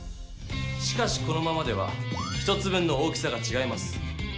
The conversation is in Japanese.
しかしこのままでは１つ分の大きさがちがいます。